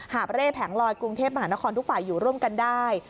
เร่แผงลอยกรุงเทพมหานครทุกฝ่ายอยู่ร่วมกันได้